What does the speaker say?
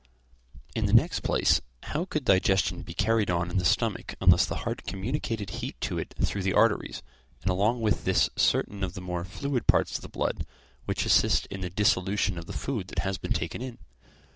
In the next place, how could digestion be carried on in the stomach unless the heart communicated heat to it through the arteries, and along with this certain of the more fluid parts of the blood, which assist in the dissolution of the food that has been taken in?